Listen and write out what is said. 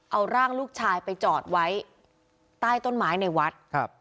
เอาร่างลูกชายไปจอดไว้ใต้ต้นไม้ในวัดครับ